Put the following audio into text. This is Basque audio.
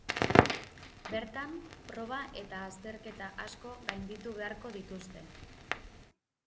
Bertan, proba eta azterketa asko gainditu beharko dituzte.